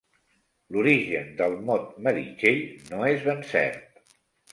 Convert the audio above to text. L'origen del mot Meritxell no és ben cert.